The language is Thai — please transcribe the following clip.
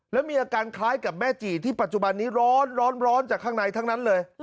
แล้วมีอาการคล้ายกับแม่จีที่ปัจจุบันนี้ร้อนจากข้างในทั้งนั้นเลย